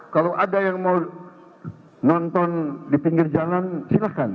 kalau ada yang mau nonton di pinggir jalan silahkan